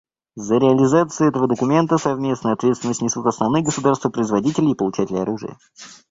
За реализацию этого документа совместную ответственность несут основные государства-производители и получатели оружия.